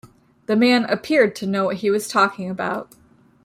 The man appeared to know what he was talking about.